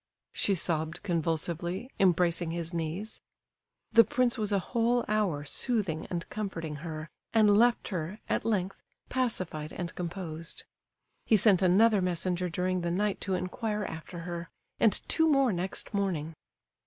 she sobbed convulsively, embracing his knees. The prince was a whole hour soothing and comforting her, and left her, at length, pacified and composed. He sent another messenger during the night to inquire after her, and two more next morning.